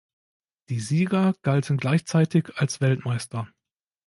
Die Sieger galten gleichzeitig als Weltmeister.